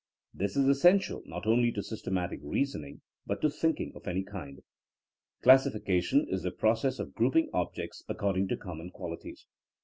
This is es sential not only to systematic reasoning but to thinking of any kind. Classification is the process of grouping objects according to com mon qualities.